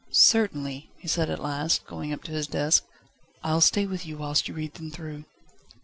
"Certainly," he said at last, going up to his desk. "I'll stay with you whilst you read them through."